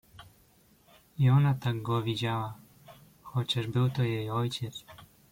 "I ona tak go widziała, chociaż był to jej ojciec."